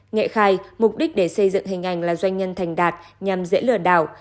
nghệ khai mục đích để xây dựng hình ảnh là doanh nhân thành đạt nhằm dễ lừa đảo